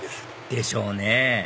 でしょうね